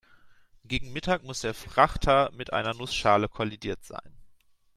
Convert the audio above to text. Gegen Mittag muss der Frachter mit einer Nussschale kollidiert sein.